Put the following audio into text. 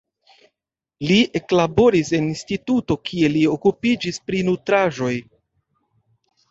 Li eklaboris en instituto, kie li okupiĝis pri nutraĵoj.